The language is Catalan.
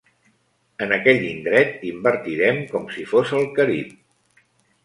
En aquell indret invertirem com si fos el Carib.